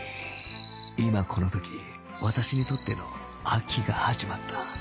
今この時私にとっての秋が始まった